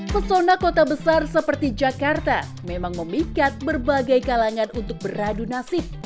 pesona kota besar seperti jakarta memang memikat berbagai kalangan untuk beradu nasib